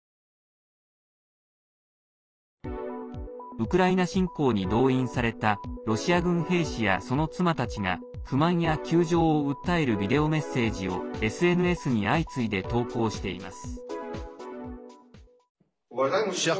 ウクライナ侵攻に動員されたロシア軍兵士や、その妻たちが不満や窮状を訴えるビデオメッセージをＳＮＳに相次いで投稿しています。